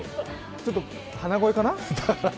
ちょっと鼻声かな？